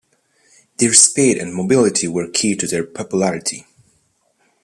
Their speed and mobility were key to their popularity.